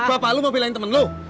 bapak lo mau belain temen lo